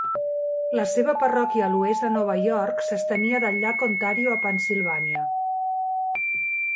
La seva parròquia a l'oest de Nova York s'estenia del llac Ontario a Pennsilvània.